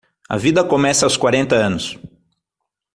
A vida começa aos quarenta anos.